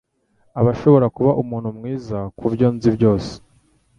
Ashobora kuba umuntu mwiza kubyo nzi byose.